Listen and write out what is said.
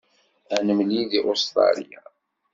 Ad nemlil deg Ustṛalya.